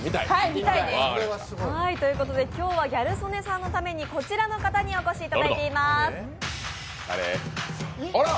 今日はギャル曽根さんのためにこちらの方にお越しいただいています。